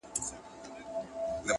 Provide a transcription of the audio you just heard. د صداقت او د ښکلا سفر دے